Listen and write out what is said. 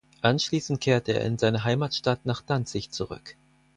Anschließend kehrte er in seine Heimatstadt nach Danzig zurück.